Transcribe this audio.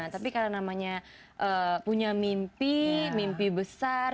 tapi karena namanya punya mimpi mimpi besar